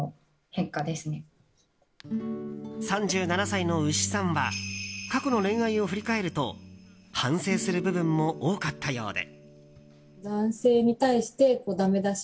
３７歳のうしさんは過去の恋愛を振り返ると反省する部分も多かったようで。